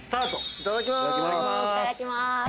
・いただきます。